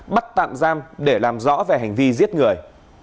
bắt tạm giam để làm rõ về hành vi giết người